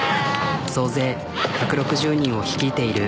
総勢１６０人を率いている。